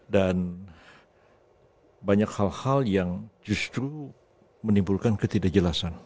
banyak hal hal yang justru menimbulkan ketidakjelasan